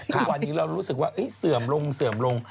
ทุกวันนี้เรารู้สึกว่าเสื่อมลงเสื่อมลง